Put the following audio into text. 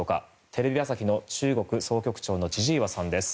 テレビ朝日の中国総局長の千々岩さんです。